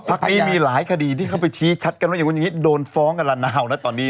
พักนี้มีหลายคดีที่เขาไปชี้ชัดกันว่าอย่างนี้โดนฟ้องกันละนาวนะตอนนี้